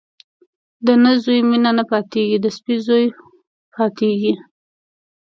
د نه زويه مينه نه پاتېږي ، د سپي زويه پاتېږي.